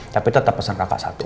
tapi tetap pesan kakak satu